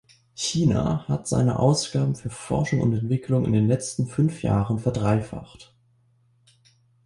China hat seine Ausgaben für Forschung und Entwicklung in den letzten fünf Jahren verdreifacht.